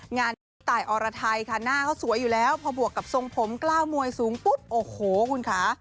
งานนี้พี่ตายอรไทยค่ะหน้าเขาสวยอยู่แล้วพอบวกกับทรงผมกล้าวมวยสูงปุ๊บโอ้โหคุณค่ะ